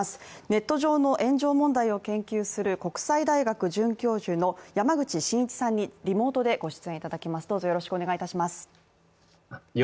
ネット上の炎上問題を研究する国際大学准教授の山口真一さんにリモートでご出演いただきます。